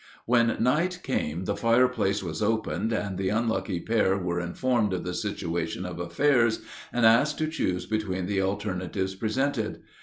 When night came the fireplace was opened, and the unlucky pair were informed of the situation of affairs and asked to choose between the alternatives presented.